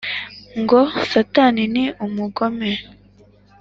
Ngo satani ni umugome